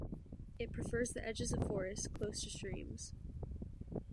It prefers the edges of forests, close to streams.